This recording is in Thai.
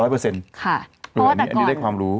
อันนี้ได้ความรู้